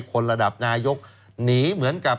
คนระดับนายกหนีเหมือนกับ